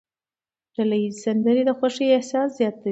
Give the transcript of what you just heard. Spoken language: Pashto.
ډلهییزې سندرې د خوښۍ احساس زیاتوي.